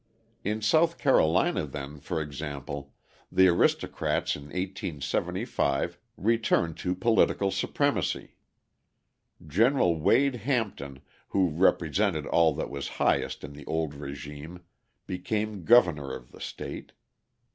In South Carolina then, for example, the aristocrats in 1875 returned to political supremacy. General Wade Hampton, who represented all that was highest in the old régime, became governor of the state.